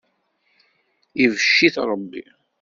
Ibecc-it Ṛebbi.